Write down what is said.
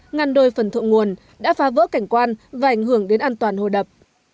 ngăn đôi phần thượng nguồn đã phá vỡ cảnh quan và ảnh hưởng đến an toàn hồ đập